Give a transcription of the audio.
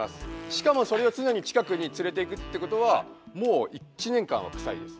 しかもそれを常に近くに連れていくってことはもう１年間はクサいです。